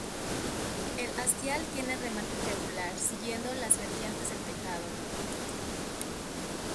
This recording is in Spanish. El hastial tiene remate triangular, siguiendo las vertientes del tejado.